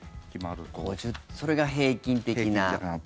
それが平均的な。